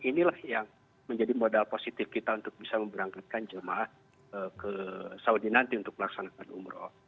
inilah yang menjadi modal positif kita untuk bisa memberangkatkan jemaah ke saudi nanti untuk melaksanakan umroh